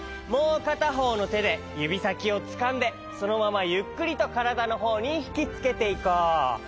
もうかたほうのてでゆびさきをつかんでそのままゆっくりとからだのほうにひきつけていこう。